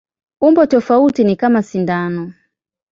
Umbo tofauti ni kama sindano.